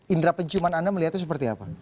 indera penciuman anda melihatnya seperti apa